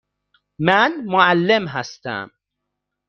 من معلم هستم.